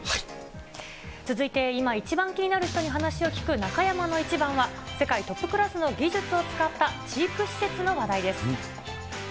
続いて今、一番気になる人に話を聞く中山のイチバンは、世界トップクラスの技術を使った知育施設の話題です。